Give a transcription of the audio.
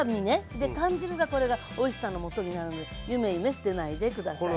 で缶汁がこれがおいしさのもとになるのでゆめゆめ捨てないで下さい。